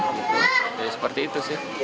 jadi seperti itu sih